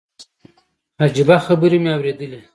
عجيبه خبرې مې اورېدلې.